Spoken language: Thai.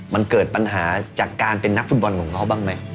มันเกิดปัญหาจากการเป็นนักฟุตบอลของเขาบ้างไหม